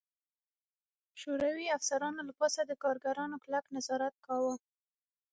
شوروي افسرانو له پاسه د کارګرانو کلک نظارت کاوه